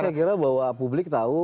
saya kira bahwa publik tahu